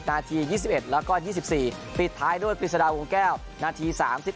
นาที๒๑แล้วก็๒๔ปิดท้ายด้วยปริศดาวงแก้วนาที๓๔